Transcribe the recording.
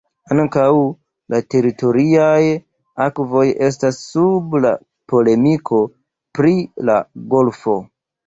Ankaŭ la teritoriaj akvoj estas sub la polemiko pri la golfo.